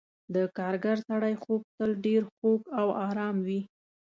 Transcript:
د کارګر سړي خوب تل ډېر خوږ او آرام وي.